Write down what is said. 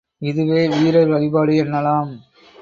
இதுவே வீரர் வழிபாடு என்னலாம்.